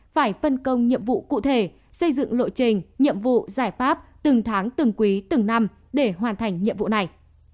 phải phân công nhiệm vụ cụ thể xây dựng lộ trình nhiệm vụ giải pháp từng tháng từng quý từng năm để hoàn thành nhiệm vụ này